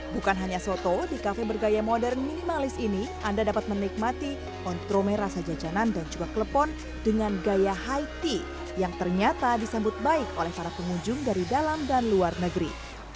bukan hanya soto di kafe bergaya modern minimalis ini anda dapat menikmati ontrome rasa jajanan dan juga klepon dengan gaya high tea yang ternyata disambut baik oleh para pengunjung dari dalam dan luar negeri